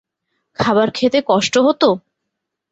খাবার খেতে কষ্ট হতো?